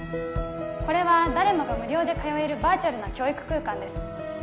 これは誰もが無料で通えるバーチャルな教育空間です